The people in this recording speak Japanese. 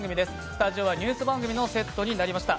スタジオはニュース番組のセットになりました。